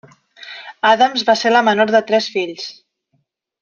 Adams va ser la menor de tres fills.